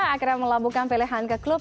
akhirnya melabuhkan pilihan ke klub